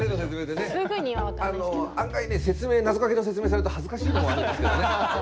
案外ねなぞかけの説明されると恥ずかしいものがあるんですけどね。